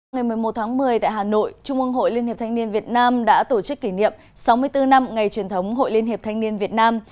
ngày một mươi một tháng một mươi tại hà nội trung ương hội liên hiệp thanh niên việt nam đã tổ chức kỷ niệm sáu mươi bốn năm ngày truyền thống hội liên hiệp thanh niên việt nam